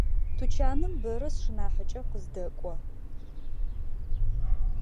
Тучаным бэра сшынахьыкӏэ къыздэкӏо.